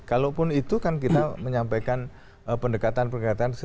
kalaupun itu kan kita menyampaikan pendekatan pendekatan